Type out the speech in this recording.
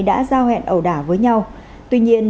đã giao hẹn ẩu đả với nhau tuy nhiên